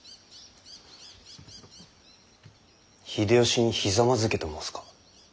秀吉にひざまずけと申すか。